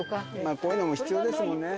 こういうのも必要ですもんね。